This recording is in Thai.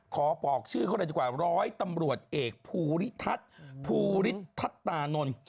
ขอบอกชื่อเขาเลยดีกว่าร้อยตำรวจเอกภูริทัศน์ภูฤทธัตตานนท์